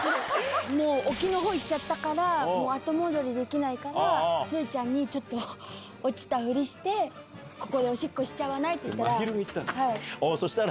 もう沖のほう行っちゃったから、後戻りできないから、つーちゃんに、ちょっと落ちたふりして、ここでおしっこしちゃわそうしたら？